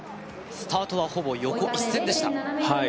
スタートはほぼ横一線でしたはい